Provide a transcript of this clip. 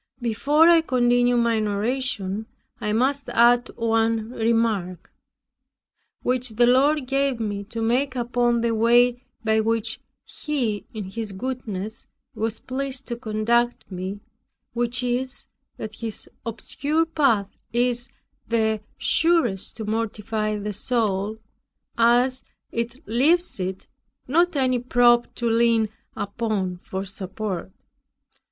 Before I continue my narration, I must add one remark, which the Lord gave me to make upon the way by which He, in His goodness, was pleased to conduct me; which is, that this obscure path is the surest to mortify the soul, as it leaves it not any prop to lean upon for support.